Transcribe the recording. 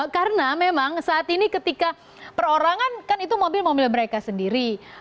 karena memang saat ini ketika perorangan kan itu mobil mobil mereka sendiri